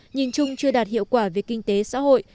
nhìn chung chưa đạt hiệu quả về kinh tế xã hội